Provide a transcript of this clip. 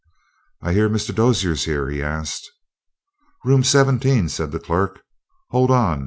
"I hear Mr. Dozier's here?" he asked. "Room seventeen," said the clerk. "Hold on.